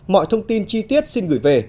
mọi thông tin chi tiết xin gửi về